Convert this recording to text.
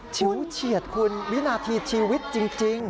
ฉิวเฉียดคุณวินาทีชีวิตจริง